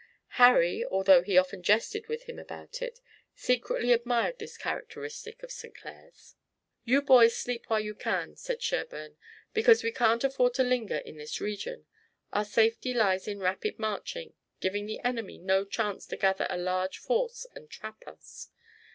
Harry, although he often jested with him about it, secretly admired this characteristic of St. Clair's. "You boys sleep while you can," said Sherburne, "because we can't afford to linger in this region. Our safety lies in rapid marching, giving the enemy no chance to gather a large force and trap us.